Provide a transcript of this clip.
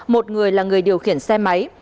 một người là người điều khiển xe máy